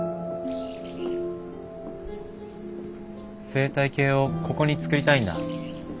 生態系をここに作りたいんだ。